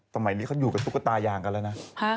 สมัยนี้เขาอยู่กับตุ๊กตายางกันแล้วนะ